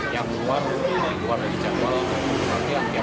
yang sudah terbukti untuk dilaksanakan penambahan baik itu pengabdian yang keluar